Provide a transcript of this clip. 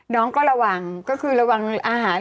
น้องก็ระวังก็คือระวังอาหาร